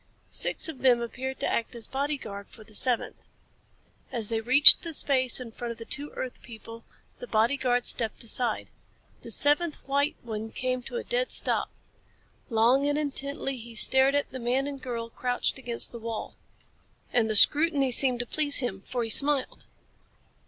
Six of them appeared to act as bodyguard for the seventh. As they reached the space in front of the two earth people, the bodyguard stepped aside. The seventh white one came to a dead stop. Long and intently he stared at the man and girl crouched against the wall. And the scrutiny seemed to please him, for he smiled.